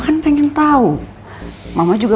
tapi sama mama dia juga